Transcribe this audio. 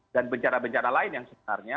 dan bencana bencana lain yang sebenarnya